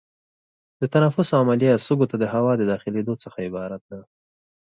د تنفس عملیه سږو ته د هوا د داخلېدو څخه عبارت ده.